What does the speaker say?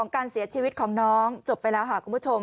การเสียชีวิตของน้องจบไปแล้วค่ะคุณผู้ชม